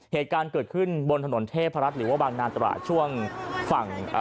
เหตุการณ์เกิดขึ้นบนถนนเทพรัฐหรือว่าบางนาตราช่วงฝั่งอ่า